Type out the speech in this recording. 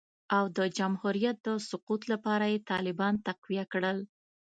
او د جمهوریت د سقوط لپاره یې طالبان تقویه کړل